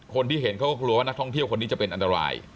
คนที่เห็นเขาก็กลัวว่านักท่องเที่ยวคนนี้จะเป็นอันตราย